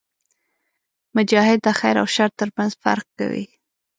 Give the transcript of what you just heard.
مجاهد د خیر او شر ترمنځ فرق کوي.